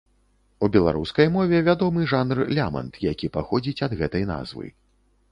У беларускай мове вядомы жанр лямант, які паходзіць ад гэтай назвы.